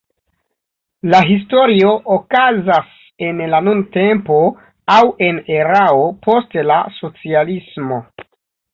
La historio okazas en la nuntempo, aŭ en erao post la socialismo.